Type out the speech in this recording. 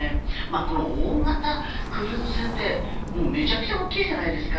この大型クルーズ船ってめちゃくちゃ大きいじゃないですか。